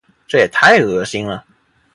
这也太恶心了。